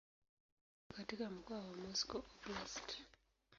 Iko katika mkoa wa Moscow Oblast.